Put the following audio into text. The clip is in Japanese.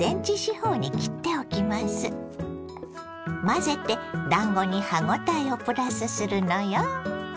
混ぜてだんごに歯応えをプラスするのよ。